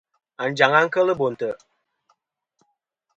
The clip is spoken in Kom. Anjaŋ-a kel Bo ntè'.